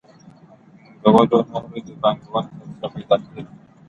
پانګوالو نوره دې پانګې ته اړتیا پیدا کړې ده